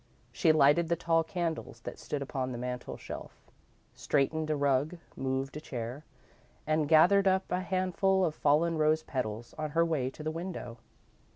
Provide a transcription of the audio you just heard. She lighted the tall candles that stood upon the mantel shelf, straightened a rug, moved a chair, and gathered up a handful of fallen rose petals on her way to the window.